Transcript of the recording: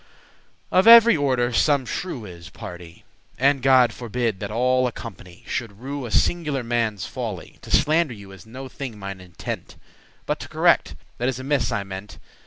Of every order some shrew is, pardie; And God forbid that all a company Should rue a singular* manne's folly. *individual To slander you is no thing mine intent; But to correct that is amiss I meant.